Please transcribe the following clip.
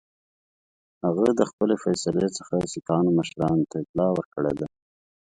هغه د خپلي فیصلې څخه سیکهانو مشرانو ته اطلاع ورکړې ده.